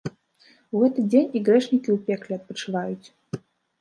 У гэты дзень і грэшнікі ў пекле адпачываюць.